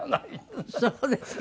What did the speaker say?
そうですか？